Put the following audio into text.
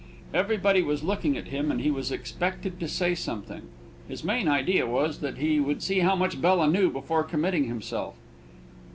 Everybody was looking at him, and he was expected to say something. His main idea was, that he would see how much Bella knew before committing himself.